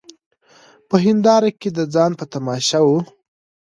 په هینداره کي د ځان په تماشا وه